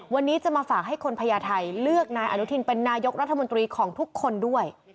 วันนี้จะมาฝากให้คนพญาไทยเลือกนายอนุทินเป็นนายกรัฐมนตรีของทุกคนด้วย